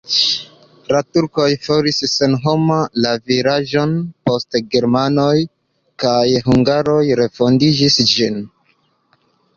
La turkoj faris senhoma la vilaĝon, poste germanoj kaj hungaroj refondis ĝin.